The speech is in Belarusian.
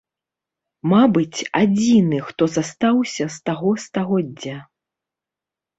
Мабыць, адзіны, хто застаўся з таго стагоддзя.